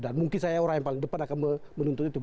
dan mungkin saya orang yang paling depan akan menuntut itu